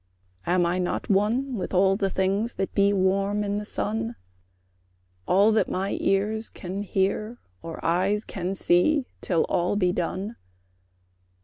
Am I not one with all the things that be Warm in the sun? All that my ears can hear, or eyes can see, Till all be done.